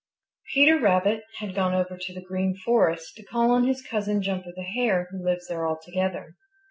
Peter Rabbit had gone over to the Green Forest to call on his cousin, Jumper the Hare, who lives there altogether.